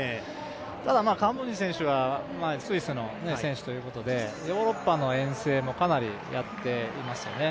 カンブンジ選手は、スイスの選手ということで、ヨーロッパの遠征もかなりやっていますよね。